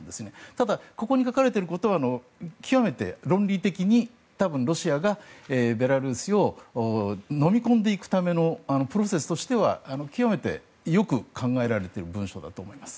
ただ、ここに書かれていることはきわめて論理的にロシアがベラルーシをのみ込んでいくためのプロセスとしては極めてよく考えられている文書だと思います。